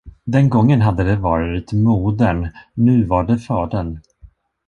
Den gången hade det varit modern, nu var det fadern.